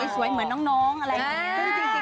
เหมือนน้องอะไรอย่างนี้